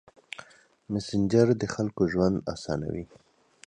مسېنجر د خلکو ژوند اسانوي.